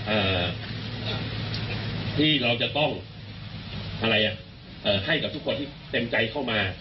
อ่าที่เราจะต้องอะไรอ่ะเอ่อให้กับทุกคนที่เต็มใจเข้ามา